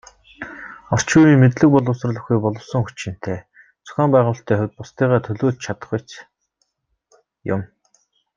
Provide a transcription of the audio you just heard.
Орчин үеийн мэдлэг боловсрол бүхий боловсон хүчинтэй, зохион байгуулалтын хувьд бусдыгаа төлөөлж чадахуйц юм.